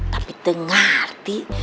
tapi itu nggak arti